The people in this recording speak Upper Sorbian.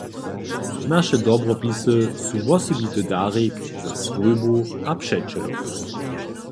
Naše dobropisy su wosebity darik za swójbu a přećelow.